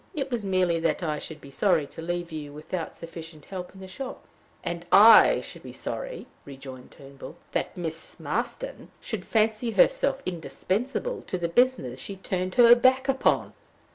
"It was merely that I should be sorry to leave you without sufficient help in the shop." "And I should be sorry," rejoined Turnbull, "that Miss Marston should fancy herself indispensable to the business she turned her back upon."